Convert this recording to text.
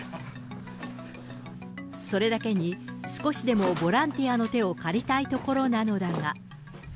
それだけに、少しでもボランティアの手を借りたいところなのだが。